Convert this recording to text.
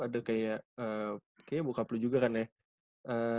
ada kayak kayaknya bokap lu juga kan ya